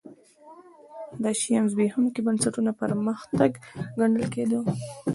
د شیام زبېښونکي بنسټونه پرمختګ ګڼل کېده.